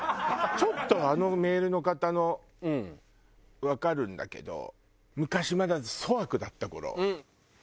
ちょっとあのメールの方のわかるんだけど昔まだ粗悪だった頃。